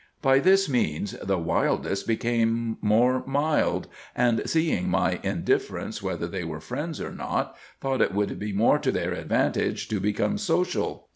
By this means the wildest became more mild, and seeing my indifference whether they were friends or not, thought it would be more to their advantage to become social.